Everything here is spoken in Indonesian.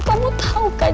kamu tau kan